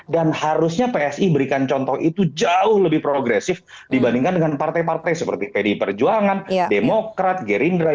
dan harusnya psi memberikan contoh itu jauh lebih progresif dibandingkan dengan partai partai seperti fdi perjuangan demokrat gerindra